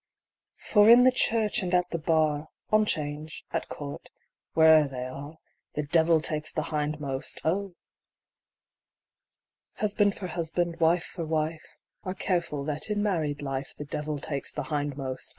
For in the church, and at the bar, On 'Change, at court, where'er they arc, The devil takes the hindmost, ! Husband for husband, wife for wife, Are careful that in married life The devil takes the hindmost